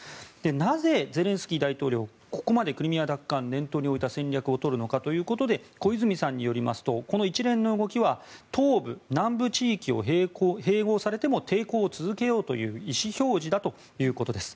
なぜゼレンスキー大統領はここまでクリミア奪還を念頭に置いた戦略を取るのかということで小泉さんによりますとこの一連の動きは東部・南部地域を併合されても抵抗を続けようという意思表示だということです。